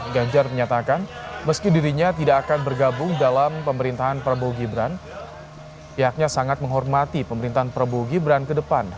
ganjar menyatakan meski dirinya tidak akan bergabung dalam pemerintahan prabowo gibran pihaknya sangat menghormati pemerintahan prabowo gibran ke depan